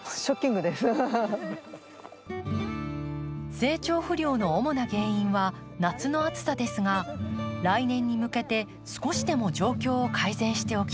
成長不良の主な原因は夏の暑さですが来年に向けて少しでも状況を改善しておきたい。